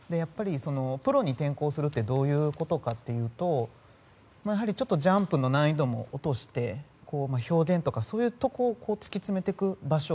プロに転向するってどういうことかというとジャンプの難易度も落として表現とかそういうところを突き詰めていく場所